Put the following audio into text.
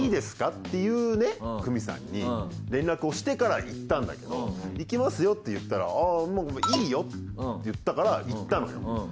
っていうねクミさんに連絡をしてから行ったんだけど行きますよって言ったらいいよって言ったから行ったのよ。